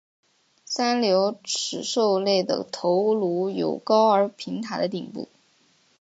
三瘤齿兽类的头颅有高而平坦的顶部。